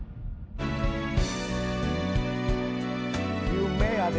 「夢」やで。